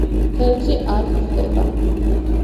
თევზი არ გვხვდება.